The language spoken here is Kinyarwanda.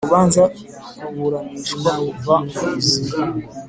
Urubanza ruburanishwa kuva mu mizi